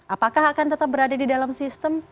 apakah akan tetap berada di dalam sistem